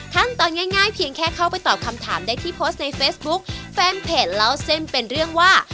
ขั้นตอนง่ายเพียงแค่เข้าไปตอบคำถามได้ที่โพสต์ในเฟซบุ๊คแฟนเพจเล่าเส้นเป็นเรื่องว่า